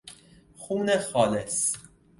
خون خالص